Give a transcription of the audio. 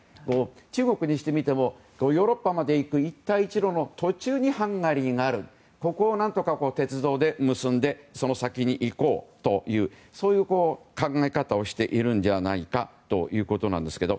中国にしてみてもヨーロッパまで行く一帯一路の途中にハンガリーがあるここを何とか鉄道で結んでその先に行こうという考え方をしているんじゃないかということですが。